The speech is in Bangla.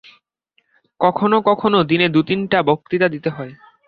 কখনও কখনও দিনে দু-তিনটা বক্তৃতা দিতে হয়।